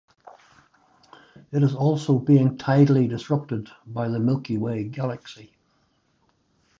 It is also being tidally disrupted by the Milky Way galaxy.